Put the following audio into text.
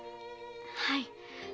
はい。